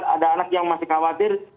ada anak yang masih khawatir